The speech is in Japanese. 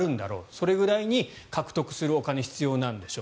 それぐらいに獲得するお金が必要なんでしょう。